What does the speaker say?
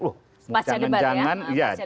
pasca debat ya